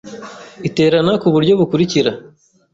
Iterana ku buryo bukurikira: